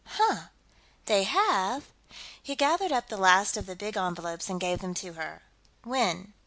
"Huh? They have?" He gathered up the last of the big envelopes and gave them to her. "When?"